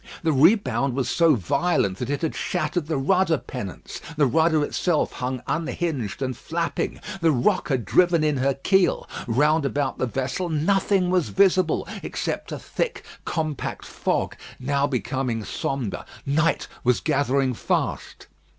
The rebound was so violent that it had shattered the rudder pendants; the rudder itself hung unhinged and flapping. The rock had driven in her keel. Round about the vessel nothing was visible except a thick, compact fog, now become sombre. Night was gathering fast.